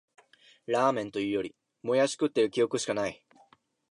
ラーメンというより、もやし食ってる記憶しかない